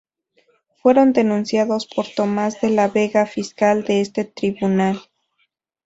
Fueron denunciados por Tomás de la Vega, fiscal de este tribunal.